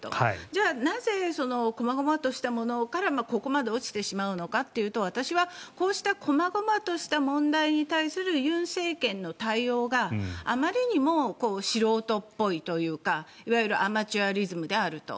じゃあ、なぜこまごまとしたものからここまで落ちてしまうのかというと私はこうしたこまごまとした問題に対する尹政権の対応があまりにも素人っぽいというかいわゆるアマチュアリズムであると。